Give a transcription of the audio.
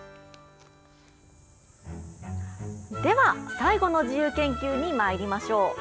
では、最後の自由研究にまいりましょう。